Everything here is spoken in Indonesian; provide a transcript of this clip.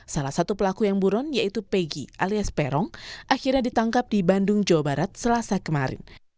salah satu pelaku yang buron yaitu pegi alias peron akhirnya ditangkap di bandung jawa barat selasa kemarin